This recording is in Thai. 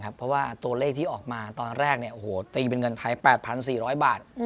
เพราะว่าตัวเลขที่ออกมาตอนแรกตีเป็นเงินไทย๘๔๐๐บาท